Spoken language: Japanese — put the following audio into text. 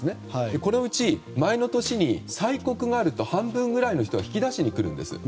このうち前の年に催告があると半分くらいの人が引き出しに来るんです。